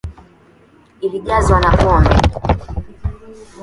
Ilijazwa na pombe